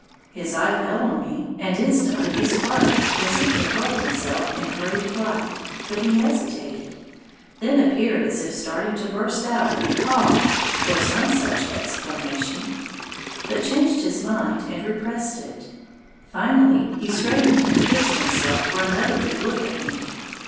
His eye fell on me, and instantly he squatted as if to hurl himself in hurried flight, but he hesitated, then appeared as if starting to burst out with "Caw" or some such exclamation, but changed his mind and repressed it. Finally he straightened and fixed himself for another good look at me.